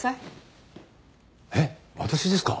えっ私ですか？